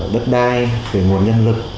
đất đai về nguồn nhân lực